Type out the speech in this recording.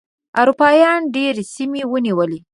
اروپایانو ډېرې سیمې ونیولې.